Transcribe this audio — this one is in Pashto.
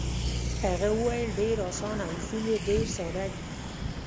هغه وویل: ډېر اسانه، اصول یې ډېر ساده دي.